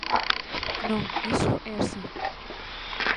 Non, iso é así.